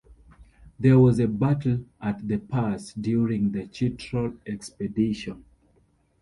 There was a battle at the pass during the Chitral Expedition.